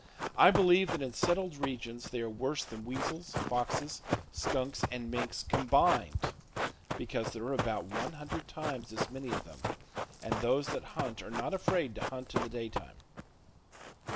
I believe that in settled regions they are worse than weasels, foxes, skunks and mink combined; because there are about one hundred times as many of them, and those that hunt are not afraid to hunt in the daytime.